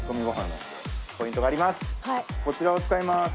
こちらを使います。